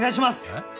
えっ？